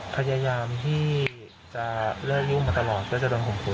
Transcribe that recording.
พยายามที่จะเลิกลุ้มไปตลอดก็จะไปห่วงขู่ตลอด